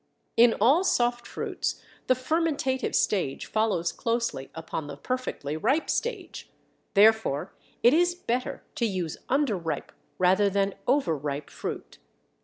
In all soft fruits the fermentative stage follows closely upon the perfectly ripe stage; therefore it is better to use underripe rather than overripe fruit.